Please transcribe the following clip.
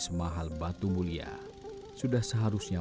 semahal batu mulia sudah seharusnya